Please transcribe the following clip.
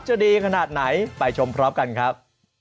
จะดีขนาดไหนไปชมพร้อมกันครับ